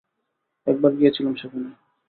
একবার গিয়েছিলাম সেখানে!